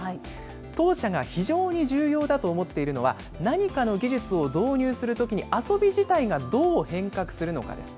当社が非常に重要だと思っているのは、何かの技術を導入するときに、遊び自体がどう変革するのかです。